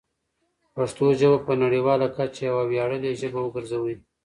پښتو ژبه په نړیواله کچه یوه ویاړلې ژبه وګرځوئ.